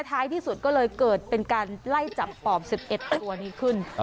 ท้ายที่สุดก็เลยเกิดเป็นการไล่จับปอบ๑๑ตัวนี้ขึ้น